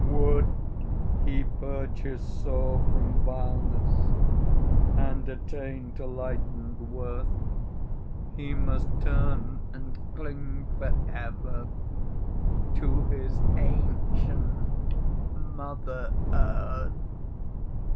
Would he purge his soul from vileness And attain to light and worth, He must turn and cling for ever To his ancient Mother Earth.